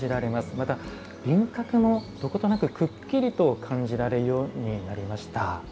また、輪郭もどことなくくっきりと感じられるようになりました。